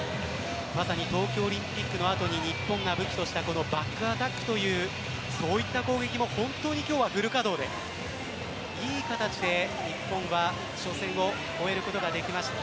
まさに東京オリンピックの後に日本が武器としたバックアタックという攻撃も本当に今日はフル稼働でいい形で日本は初戦を終えることができました。